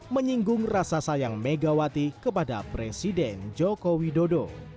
menyinggung rasa sayang megawati kepada presiden jokowi dodo